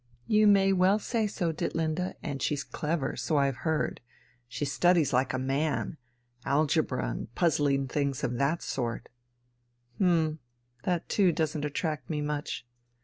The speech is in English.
"You may well say so, Ditlinde, and she's clever, so I've heard; she studies like a man algebra, and puzzling things of that sort." "Hm, that too doesn't attract me much."